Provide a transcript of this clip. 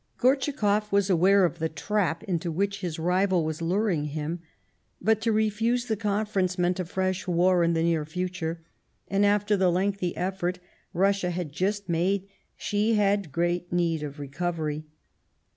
Gortschakoff was aware of the trap into which his rival was luring him, but to refuse the Conference meant a fresh war in the near future, and, after the lengthy effort Russia had just made, she had great need of recovery.